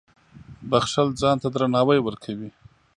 • بښل ځان ته درناوی ورکوي.